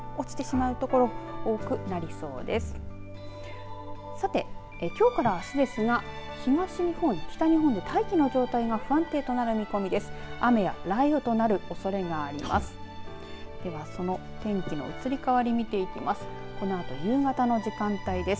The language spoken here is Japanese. さて、きょうからあすですが東日本、北日本で大気の状態が不安定となる見込みです。